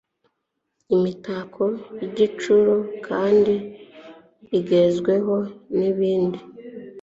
imitako y'igiciro kandi igezweho n'ibindi.